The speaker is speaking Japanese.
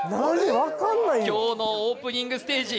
分かんないよ今日のオープニングステージ